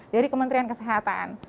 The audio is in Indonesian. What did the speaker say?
dari kementerian kesehatan